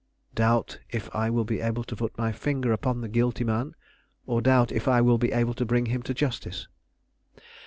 "Doubt if I will be able to put my finger upon the guilty man, or doubt if I will be able to bring him to justice?"